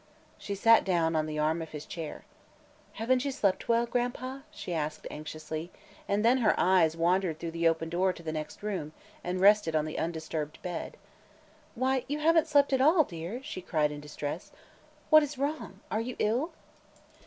She sat down on the arm of his chair. "Haven't you slept well, Gran'pa?" she asked anxiously, and then her eyes wandered through the open door to the next room and rested on the undisturbed bed. "Why, you haven't slept at all, dear!" she cried in distress. "What is wrong? Are you ill?"